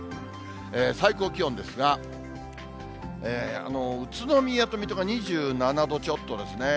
最高気温ですが、宇都宮と水戸が２７度ちょっとですね。